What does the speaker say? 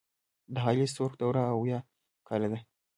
د هالی ستورک دوره اويا کاله ده.